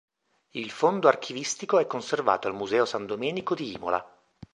Il fondo archivistico è conservato al Museo San Domenico di Imola.